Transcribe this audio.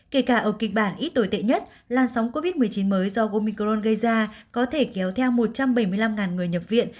kể cả ở kịch bản ít tồi tệ nhất làn sóng covid một mươi chín mới do omicron gây ra có thể kéo theo một trăm bảy mươi năm người nhập viện